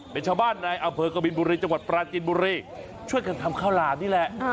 เป็นชาวบ้านในอำเภอกบินบุรีจังหวัดปราจินบุรีช่วยกันทำข้าวหลามนี่แหละ